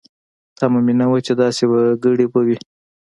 تمه مې نه وه چې داسې وګړي به وي.